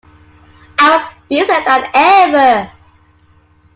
I was busier than ever!